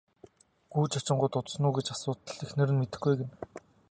Гүйж очингуут удсан уу гэж асуутал эхнэр нь мэдэхгүй ээ гэнэ.